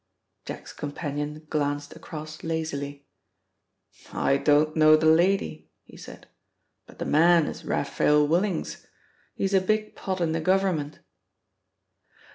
Jack's companion glanced across lazily. "I don't know the lady," he said, "but the man is Raphael Willings. He is a big pot in the Government."